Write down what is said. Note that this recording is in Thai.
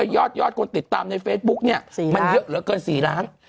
ยอดคนติดตามในเฟซบุ๊กเนี่ยมันเยอะเหลือเกิน๔ล้าน